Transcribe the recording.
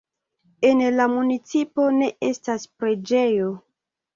En la municipo ne estas preĝejo.